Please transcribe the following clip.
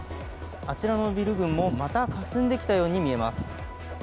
あちらのビル群もまたかすんできたように見えます。